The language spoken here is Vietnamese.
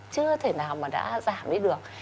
chưa thể nào mà đã giảm đi được